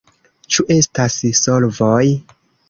Ĉu estas solvoj?